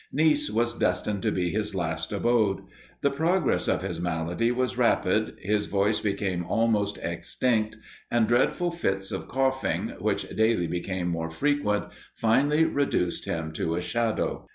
Nice was destined to be his last abode. The progress of his malady was rapid his voice became almost extinct, and dreadful fits of coughing, which daily became more frequent, finally reduced him to a shadow.